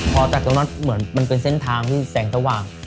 พอจากตรงนั้นเหมือนมันเป็นเส้นทางที่แสงสว่าง